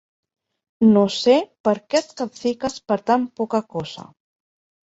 No sé per què et capfiques per tan poca cosa.